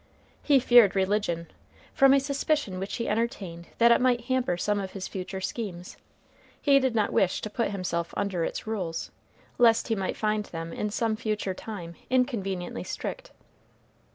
He feared religion, from a suspicion which he entertained that it might hamper some of his future schemes. He did not wish to put himself under its rules, lest he might find them in some future time inconveniently strict.